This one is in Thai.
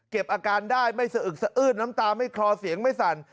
อาการได้ไม่สะอึกสะอื้นน้ำตาไม่คลอเสียงไม่สั่น